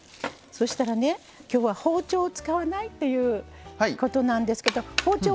そしたらね今日は包丁を使わないっていうことなんですけど包丁